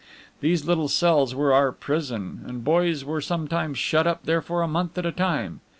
These little cells were our prison, and boys were sometimes shut up there for a month at a time.